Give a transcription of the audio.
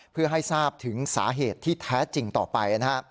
เพื่อให้ทราบถึงสาเหตุที่แท้จริงต่อไป